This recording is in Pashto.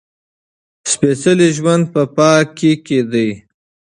سپېڅلی ژوند په پاکۍ کې دی.